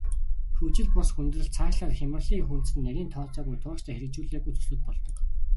Хөгжил бус хүндрэл, цаашлаад хямралын эх үндэс нь нарийн тооцоогүй, тууштай хэрэгжүүлээгүй төслүүд болдог.